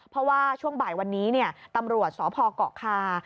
เพราะว่าช่วงบ่ายวันนี้ตำรวจสพเกาะคา